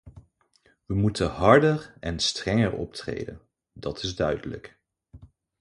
We moeten harder en strenger optreden, dat is duidelijk.